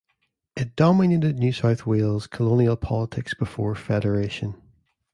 It dominated New South Wales colonial politics before federation.